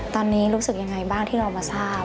ตอนนี้รู้สึกยังไงบ้างที่เรามาทราบ